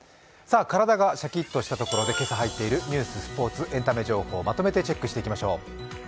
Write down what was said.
体がシャキッとしたところで今朝入っているニュース、スポ−ツエンタメ情報、まとめてチェックしていきましょう。